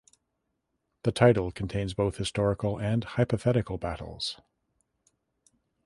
The title contains both historical and hypothetical battles.